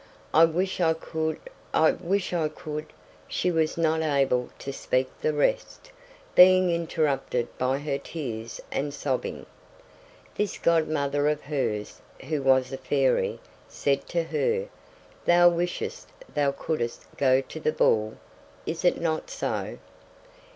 "I wish I could I wish I could "; she was not able to speak the rest, being interrupted by her tears and sobbing. This godmother of hers, who was a fairy, said to her, "Thou wishest thou couldst go to the ball; is it not so?"